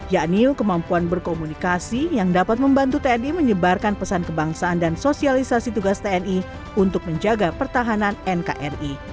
yakni kemampuan berkomunikasi yang dapat membantu tni menyebarkan pesan kebangsaan dan sosialisasi tugas tni untuk menjaga pertahanan nkri